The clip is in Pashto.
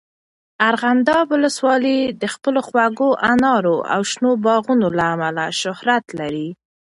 ارغنداب ولسوالۍ د خپلو خوږو انارو او شنو باغونو له امله شهرت لري.